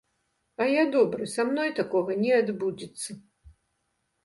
А я добры, са мной такога не адбудзецца.